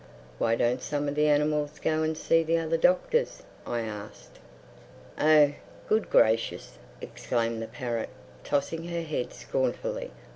"Why don't some of the animals go and see the other doctors?" I asked. "Oh Good Gracious!" exclaimed the parrot, tossing her head scornfully.